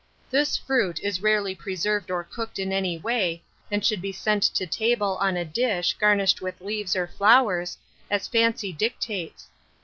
This fruit is rarely preserved or cooked in any way, and should be sent to table on a dish garnished with leaves or flowers, as fancy dictates.